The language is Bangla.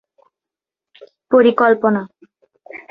তিনি হাবিবুল্লাহ বাহার কলেজের অধ্যাপিকা ছিলেন।